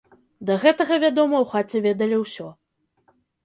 Да гэтага, вядома, у хаце ведалі ўсё.